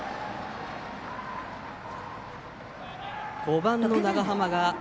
５番の長濱が。